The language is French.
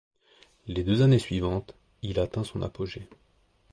Les deux années suivantes, il atteint son apogée.